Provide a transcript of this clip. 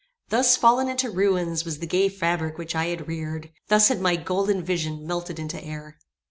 Thus fallen into ruins was the gay fabric which I had reared! Thus had my golden vision melted into air!